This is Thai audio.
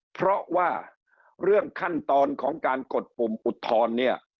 เพราะว่าเรื่องขั้นตอนของการกดปุ่มอุทธรณ์เนี่ย